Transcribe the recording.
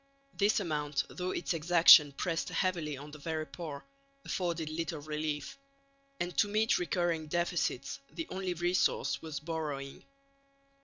This amount, though its exaction pressed heavily on the very poor, afforded little relief; and to meet recurring deficits the only resource was borrowing.